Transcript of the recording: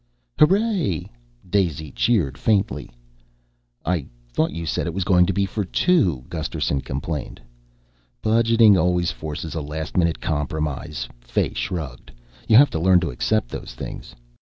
"Hooray!" Daisy cheered faintly. "I thought you said it was going to be for two." Gusterson complained. "Budgeting always forces a last minute compromise," Fay shrugged. "You have to learn to accept those things."